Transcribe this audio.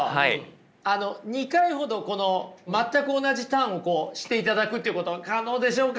あの２回ほどこの全く同じターンをしていただくということ可能でしょうか？